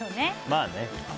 まあね。